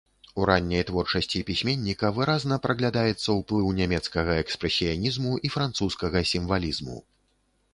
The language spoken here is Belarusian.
У ранняй творчасці пісьменніка выразна праглядаецца ўплыў нямецкага экспрэсіянізму і французскага сімвалізму.